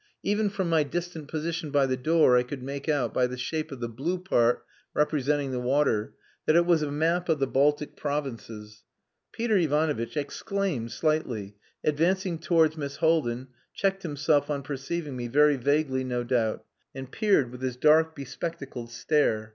Even from my distant position by the door I could make out, by the shape of the blue part representing the water, that it was a map of the Baltic provinces. Peter Ivanovitch exclaimed slightly, advancing towards Miss Haldin, checked himself on perceiving me, very vaguely no doubt; and peered with his dark, bespectacled stare.